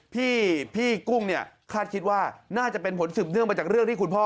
พี่กุ้งเนี่ยคาดคิดว่าน่าจะเป็นผลสืบเนื่องมาจากเรื่องที่คุณพ่อ